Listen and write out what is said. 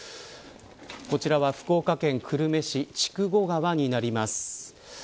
こちらは福岡県久留米市筑後川になります。